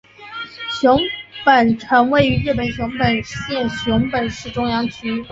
熊本城位于日本熊本县熊本市中央区。